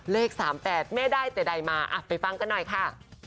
เลข๓๘แม่ได้แต่ใดมาไปฟังกันหน่อยค่ะ